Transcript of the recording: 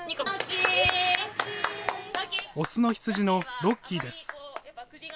雄の羊のロッキーです。